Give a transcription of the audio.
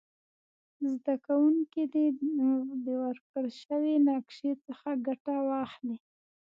زده کوونکي دې د ورکړ شوې نقشي څخه ګټه واخلي.